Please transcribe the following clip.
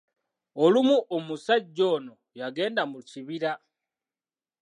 Olumu omusajja ono yagenda mu kibira.